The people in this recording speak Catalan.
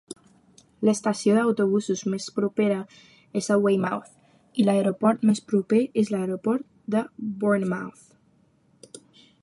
L'estació d'autobusos més propera és a Weymouth i l'aeroport més proper és l'aeroport de Bournemouth.